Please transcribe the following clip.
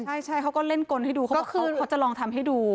ใช่ใช่เขาก็เล่นกรให้ดูเขาจะลองทำให้ดู